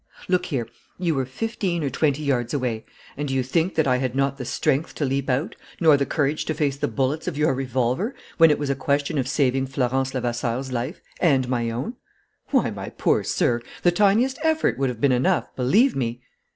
"Look here: you were fifteen or twenty yards away; and do you think that I had not the strength to leap out nor the courage to face the bullets of your revolver, when it was a question of saving Florence Levasseur's life and my own? Why, my poor sir, the tiniest effort would have been enough, believe me!